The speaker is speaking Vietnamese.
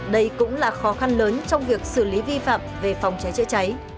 đây cũng là khó khăn lớn trong việc xử lý vi phạm về phòng cháy chữa cháy